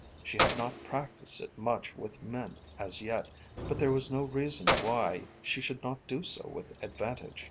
She had not practised it much with men as yet, but there was no reason why she should not do so with advantage.